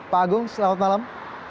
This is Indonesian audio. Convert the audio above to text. pak agung selamat malam